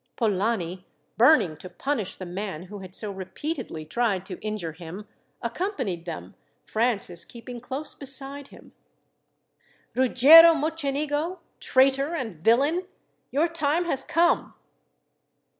Polani, burning to punish the man who had so repeatedly tried to injure him, accompanied them, Francis keeping close beside him. "Ruggiero Mocenigo, traitor and villain, your time has come!"